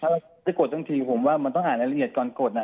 ถ้าได้กดทั้งทีผมว่ามันต้องอ่านรายละเอียดก่อนกดนะ